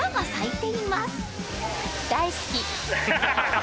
大好き。